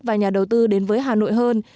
và nhà đầu tư đến với hà nội hơn